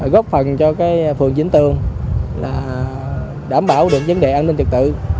góp phần cho cái phường diễn tường là đảm bảo được vấn đề an ninh trật tự